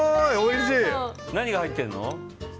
何が入っているの？